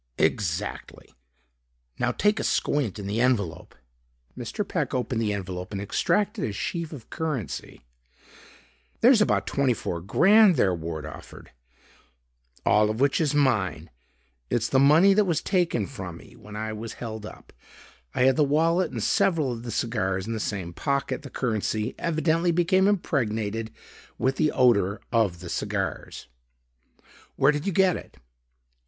"Exactly. Now take a squint in the envelope." Mr. Peck opened the envelope and extracted a sheaf of currency. "There's about twenty four grand there," Ward offered. "All of which is mine. It's the money that was taken from me when I was held up. I had the wallet and several of the cigars in the same pocket. The currency evidently became impregnated with the odor of the cigars. Where did you get it?"